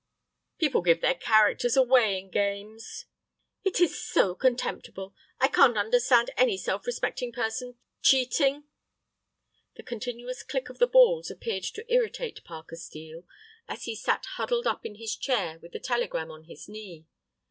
"People give their characters away in games." "It is so contemptible. I can't understand any self respecting person cheating." The continuous click of the balls appeared to irritate Parker Steel, as he sat huddled up in his chair with the telegram on his knee.